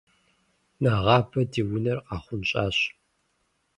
Нэгъабэ ди унэр къахъунщӏащ.